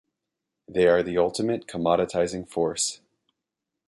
They are the ultimate commoditizing force.